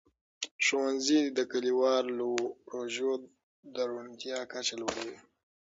ښوونځي د کلیوالو پروژو د روڼتیا کچه لوړوي.